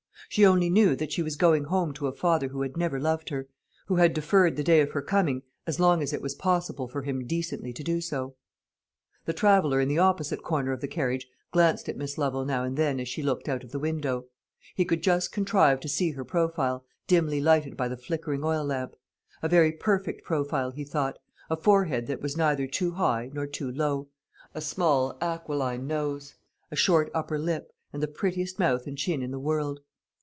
She only knew that she was going home to a father who had never loved her, who had deferred the day of her coming as long as it was possible for him decently to do so. The traveller in the opposite corner of the carriage glanced at Miss Lovel now and then as she looked out of the window. He could just contrive to see her profile, dimly lighted by the flickering oil lamp; a very perfect profile, he thought; a forehead that was neither too high nor too low, a small aquiline nose, a short upper lip, and the prettiest mouth and chin in the world.